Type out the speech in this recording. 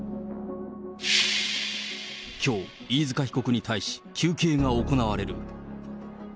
きょう、飯塚被告に対し、求刑が行われる。